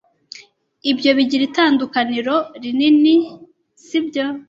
Ibyo bigira itandukaniro rinini, sibyo?